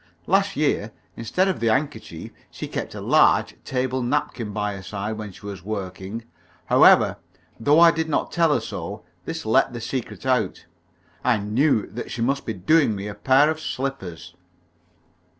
Last year, instead of the handkerchief, she kept a large table napkin by her side when she was working. However, though I did not tell her so, this let the secret out. I knew that she must be doing me a pair of slippers.